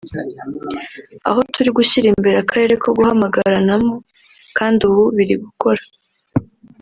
aho turi gushyira imbere akarere ko guhamagaranamo kandi ubu biri gukora